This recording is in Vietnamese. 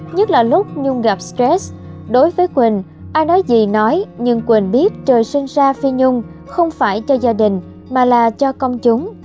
nhất là lúc nhung gặp stress đối với quỳnh ai nói gì nói nhưng quỳnh biết trời sinh ra phi nhung không phải cho gia đình mà là cho công chúng